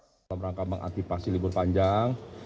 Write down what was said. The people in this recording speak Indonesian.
pemprov dki jakarta menantipasi libur panjang